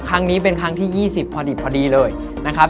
ครั้งนี้เป็นครั้งที่๒๐พอดีเลยนะครับ